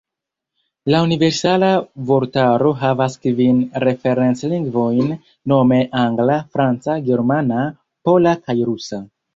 La Universala Vortaro havas kvin referenc-lingvojn, nome angla, franca, germana, pola kaj rusa.